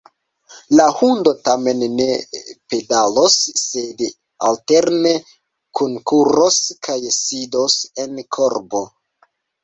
La hundo tamen ne pedalos, sed alterne kunkuros kaj sidos en korbo.